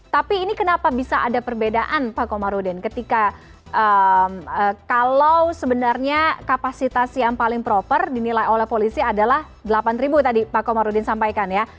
tapi ini kenapa bisa ada perbedaan pak komarudin ketika kalau sebenarnya kapasitas yang paling proper dinilai oleh polisi adalah delapan tadi pak komarudin sampaikan ya